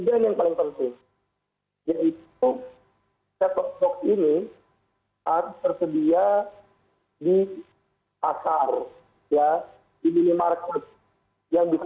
dapat menikmatis darah